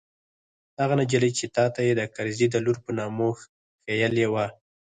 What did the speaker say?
هغه نجلۍ چې تا ته يې د کرزي د لور په نامه ښييلې وه.